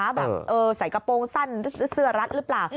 แบบใส่กระโปรงสั้นเสื้อรัดหรือเปล่า